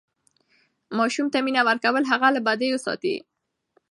ماسوم ته مینه ورکول هغه له بدیو ساتي.